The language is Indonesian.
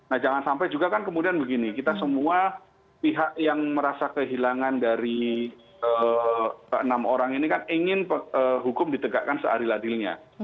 nah jangan sampai juga kan kemudian begini kita semua pihak yang merasa kehilangan dari enam orang ini kan ingin hukum ditegakkan seadil adilnya